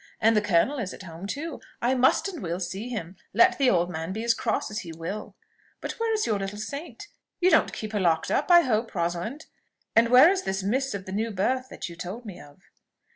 And the colonel is at home too; I must and will see him, let the old man be as cross as he will. But where is your little saint? you don't keep her locked up, I hope, Rosalind? And where is this Miss of the new birth that you told me of?"